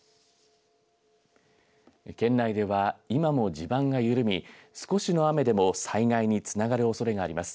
県内では今も地盤が緩み少しの雨でも災害につながるおそれがあります。